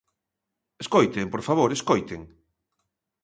Escoiten, por favor, escoiten.